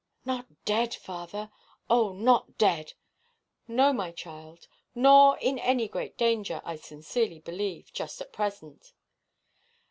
"Not dead, father? Oh, not dead?" "No, my child; nor in any great danger, I sincerely believe, just at present."